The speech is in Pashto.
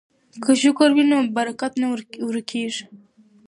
که شکر وي نو برکت نه ورکیږي.